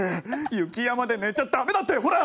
雪山で寝ちゃダメだってほら！